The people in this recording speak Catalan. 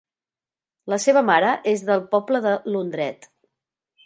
La seva mare és del poble de Lundret.